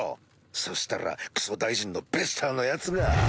そしたらクソ大臣のベスターのヤツが。